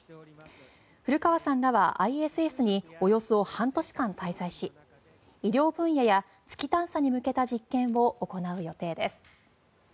古川さんらはＩＳＳにおよそ半年間滞在し医療分野や月探査に向けた実験を行う予定です。